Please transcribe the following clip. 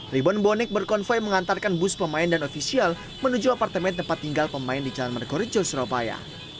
ribuan bonek berkonvoy mengantarkan bus pemain dan ofisial menuju apartemen tempat tinggal pemain di jalan merkorejo surabaya